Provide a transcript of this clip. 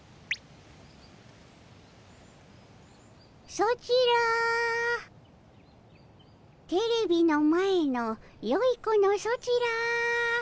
ソチらテレビの前のよい子のソチら。